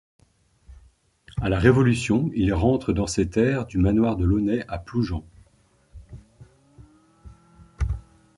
À la Révolution, il rentre dans ses terres du manoir du Launay à Ploujean.